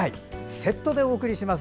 セットでお送りします。